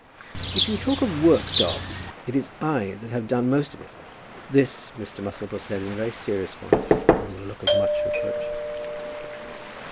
"If you talk of work, Dobbs, it is I that have done the most of it." This Mr. Musselboro said in a very serious voice, and with a look of much reproach.